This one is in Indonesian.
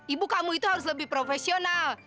ibu kamu itu harus lebih profesional